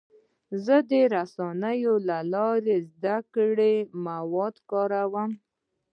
زه د رسنیو له لارې د زده کړې مواد کاروم.